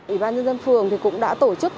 ủy ban dân dân phường cũng đã tổ chức